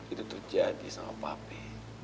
itu terjadi sama papi